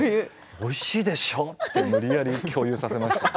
おいしいでしょうと無理やり共有させました。